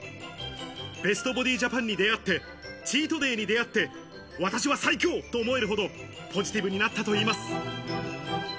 ベストボディジャパンに出会って、チートデイに出会って、私は最強と思えるほど、ポジティブになったといいます。